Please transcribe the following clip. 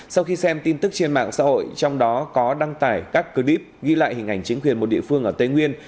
sau khi xem tin tức trên mạng xã hội trong đó có đăng tải các clip ghi lại hình ảnh chính quyền một địa phương ở tây nguyên